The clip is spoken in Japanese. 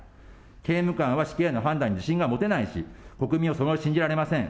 警務官は死刑の判断に自信が持てないし、国民もそれを信じられません。